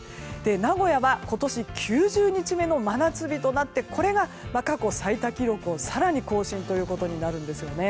名古屋は今年９０日目の真夏日となってこれが過去最多記録を更に、更新となるんですよね。